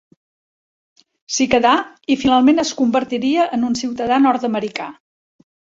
S'hi quedà i finalment es convertiria en un ciutadà nord-americà.